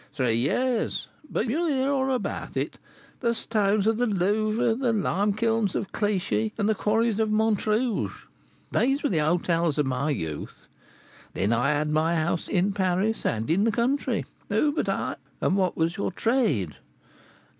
"Three years; but you will hear all about it: the stones of the Louvre, the lime kilns of Clichy, and the quarries of Montrouge, these were the hôtels of my youth. Then I had my house in Paris and in the country. Who but I " "And what was your trade?"